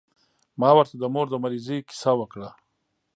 ما ورته د مور د مريضۍ کيسه وکړه.